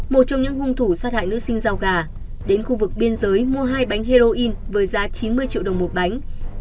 một trong những hung thủ sát hại nữ sinh rau gà đến khu vực biên giới mua hai bánh heroin với giá chín mươi triệu đồng một bánh